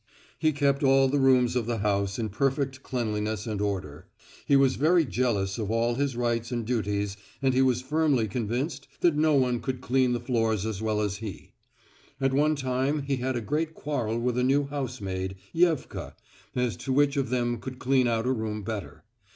He kept all the rooms of the house in perfect cleanliness and order. He was very jealous of all his rights and duties, and he was firmly convinced that no one could clean the floors as well as he. At one time he had a great quarrel with a new housemaid, Yevka, as to which of them could clean out a room better.